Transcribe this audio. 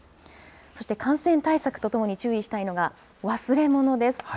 そして、感染対策とともに注意したいのが忘れ物です。